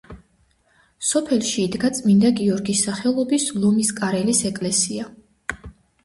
სოფელში იდგა წმინდა გიორგის სახელობის ლომისკარელის ეკლესია.